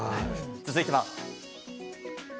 続いては。